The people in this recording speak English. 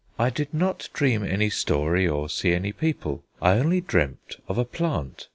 I did not dream any story or see any people; I only dreamt of a plant.